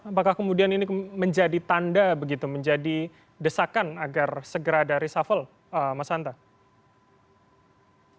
apakah kemudian ini menjadi tanda begitu menjadi desakan agar segera ada reshuffle mas santai